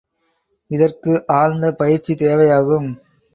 இதற்கு ஆழ்ந்த பயிற்சி தேவையாகும்.